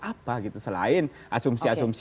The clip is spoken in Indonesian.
apa gitu selain asumsi asumsi